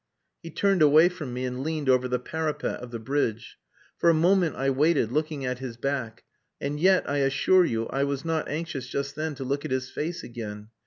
He turned away from me and leaned over the parapet of the bridge. For a moment I waited, looking at his back. And yet, I assure you, I was not anxious just then to look at his face again.